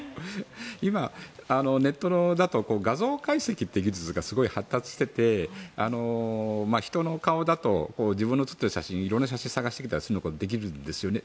今、ネットだと画像解析って技術がすごく発達していて人の顔だと自分の写っている写真色んな写真を探してくることができるんですね。